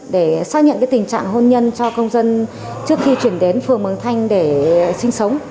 để xác nhận tình trạng hôn nhân cho công dân trước khi chuyển đến phường mường thanh để sinh sống